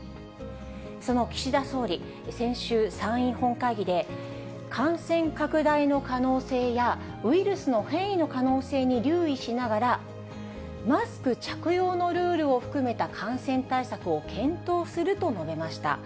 その岸田総理、先週、参院本会議で、感染拡大の可能性や、ウイルスの変異の可能性に留意しながら、マスク着用のルールを含めた感染対策を検討すると述べました。